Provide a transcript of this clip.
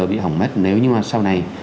bị hỏng mất nếu như mà sau này